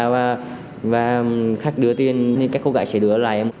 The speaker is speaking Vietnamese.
và khách đưa tiền thì các cô gái sẽ đưa lại